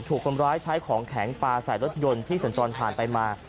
ถูกคนร้ายใช้ของแข็งปลาใส่รถยนต์ที่สัญจรผ่านไปมา